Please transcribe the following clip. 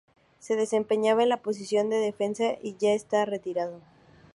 Se desempeñaba en la posición de defensa y ya está retirado.